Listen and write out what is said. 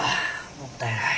もったいない。